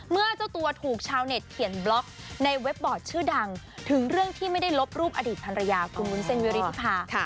เมื่อเจ้าตัวถูกชาวเน็ตเขียนบล็อกในเว็บบอร์ดชื่อดังถึงเรื่องที่ไม่ได้ลบรูปอดีตภรรยาคุณวุ้นเส้นวิริธิภา